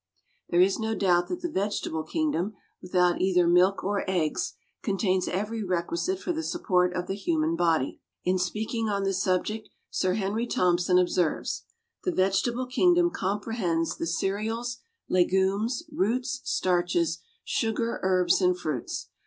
There is no doubt that the vegetable kingdom, without either milk or eggs, contains every requisite for the support of the human body. In speaking on this subject, Sir Henry Thompson observes: "The vegetable kingdom comprehends the cereals, legumes, roots, starches, sugar, herbs, and fruits.